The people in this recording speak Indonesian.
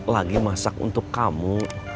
masak lagi untuk kamu